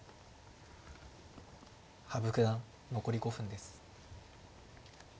羽生九段残り５分です。